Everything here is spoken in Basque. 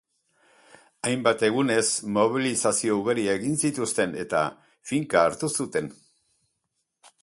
Hainbat egunez mobilizazio ugari egin zituzten eta finka hartu zuten.